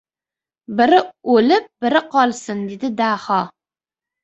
"Biri o‘lib, biri qolsin!" dedi Daho.